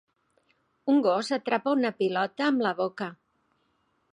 Un gos atrapa una pilota amb la boca.